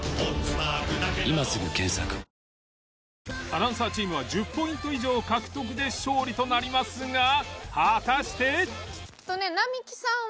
アナウンサーチームは１０ポイント以上獲得で勝利となりますが果たして。